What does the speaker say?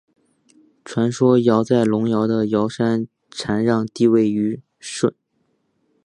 传说尧在隆尧的尧山禅让帝位予舜。